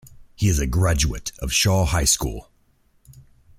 He is a graduate of Shaw High School.